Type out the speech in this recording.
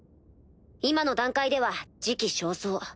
今の段階では時期尚早。